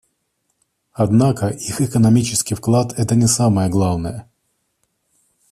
Однако их экономический вклад — это не самое главное.